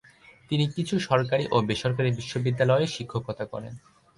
তিনি কিছু সরকারি ও বেসরকারি বিশ্ববিদ্যালয়েও শিক্ষকতা করেন।